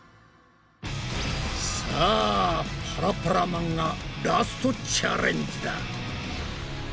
さあパラパラ漫画ラストチャレンジだ！